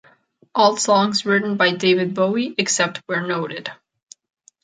All songs written by David Bowie, except where noted.